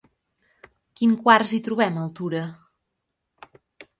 Quin quars hi trobem a Altura?